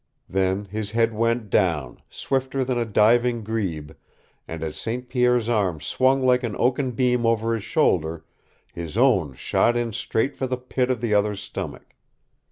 Then his head went down, swifter than a diving grebe, and as St. Pierre's arm swung like an oaken beam over his shoulder, his own shot in straight for the pit of the other's stomach.